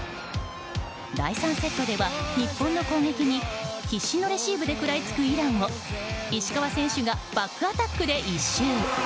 第３セットでは日本の攻撃に必死のレシーブで食らいつくイランを石川選手がバックアタックで一蹴。